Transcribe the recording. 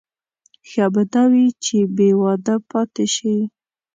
ښه به دا وي چې بې واده پاتې شي.